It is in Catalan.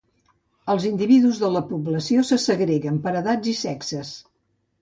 Els individus de la població se segreguen per edats i sexes.